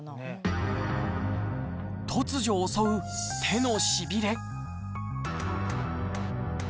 突如襲う手のしびれ。